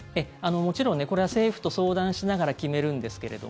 もちろん、これは政府と相談しながら決めるんですけども